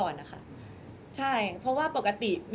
มิวยังมีเจ้าหน้าที่ตำรวจอีกหลายคนที่พร้อมจะให้ความยุติธรรมกับมิว